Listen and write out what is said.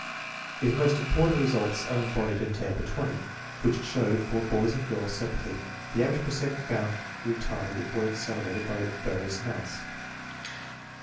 1 His most important results are embodied in Table 20, which show for boys and girls separately the average per cent found re tarded or accelerated by various amounts.